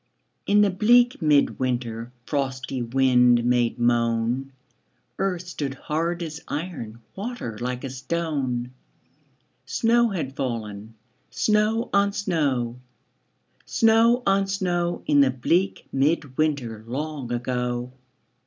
In the bleak mid winter Frosty wind made moan, Earth stood hard as iron, Water like a stone; Snow had fallen, snow on snow, Snow on snow, In the bleak mid winter Long ago.